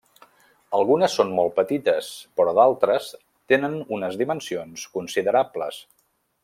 Algunes són molt petites però d'altres tenen unes dimensions considerables.